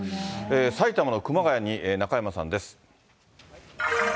埼玉の熊谷に中山さんです。